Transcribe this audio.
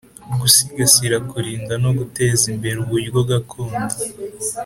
Gusigasira kurinda no guteza imbere uburyo gakondo